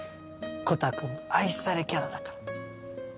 コタくん愛されキャラだから。